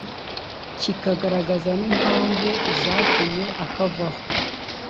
kikagaragaza n impamvu zatumye akavaho